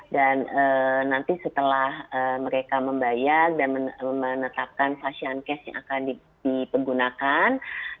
dan nanti setelah mereka membayar dan menetapkan fashion case yang akan dipergunakan